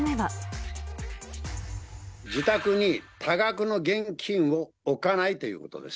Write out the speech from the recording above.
自宅に多額の現金を置かないということです。